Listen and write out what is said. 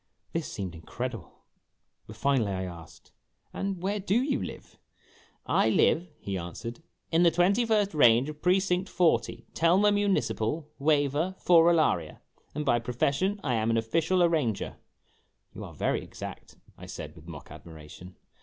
' This seemed incredible, but finally I asked, "And where do you live ?' "I live," he answered, "in the twenty first range of precinct forty, Telmer Municipal, Waver, Forolaria ; and by profession I am an Official Arrano er." o "You are very exact," I said, with mock admiration.